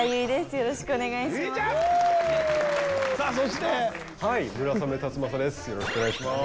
よろしくお願いします。